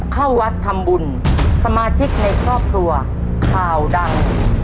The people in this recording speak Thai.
เข้าวัดทำบุญสมาชิกในครอบครัวข่าวดัง